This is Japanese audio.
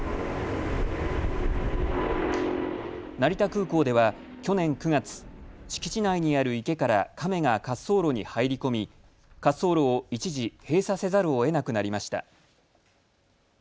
成田空港では去年９月、敷地内にある池からカメが滑走路に入り込み滑走路を一時閉鎖せざるをえなくなりました。